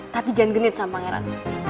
tapi jangan genit sama pangeran